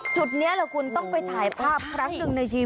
จุดนี้แหละคุณต้องไปถ่ายภาพครั้งหนึ่งในชีวิต